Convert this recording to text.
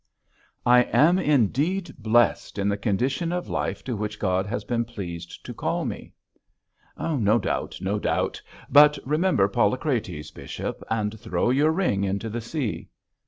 'I am indeed blessed in the condition of life to which God has been pleased to call me.' 'No doubt! No doubt! But remember Polycrates, bishop, and throw your ring into the sea.'